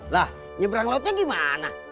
lah nyebrang lautnya gimana